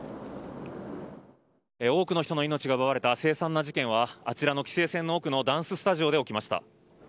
多くの人の命が奪われたせい惨な事件は、あちらの規制線の奥のダンススタジオで起きました。